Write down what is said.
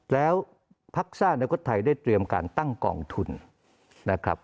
แล้วภักษณะนักกฎไทยได้เตรียมการตั้งกองทุนนะครับ